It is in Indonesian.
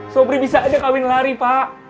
sopri bisa aja kawin lari pak